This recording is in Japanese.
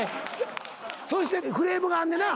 そしてクレームがあんねんな。